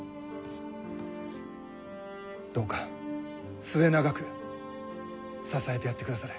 どうか末永く支えてやってくだされ。